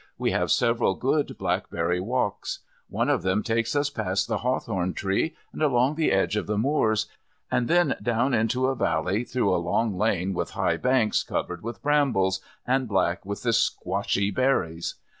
We have several good blackberry walks. One of them takes us past the hawthorn tree and along the edge of the moors, and then down into a valley through a long lane with high banks covered with brambles and black with the squashy berries.